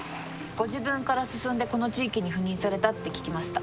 ご自分から進んでこの地域に赴任されたって聞きました。